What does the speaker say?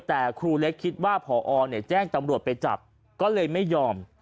แต่ครูเล็กคิดว่าพอแจ้งตำรวจไปจับก็เลยไม่ยอม